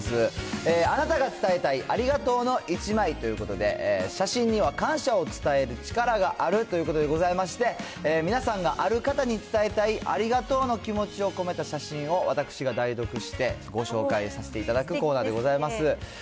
あなたが伝えたいありがとうの１枚ということで、写真には感謝を伝える力があるということでございまして、皆さんがある方に伝えたいありがとうの気持ちを込めた写真を、私が代読してご紹介させていただくコーナーでございます。